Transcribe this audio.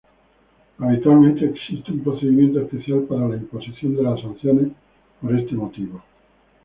Habitualmente existe un procedimiento especial para la imposición de las sanciones por este motivo.